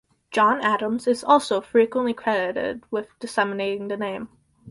John Adams is also frequently credited with disseminating the name.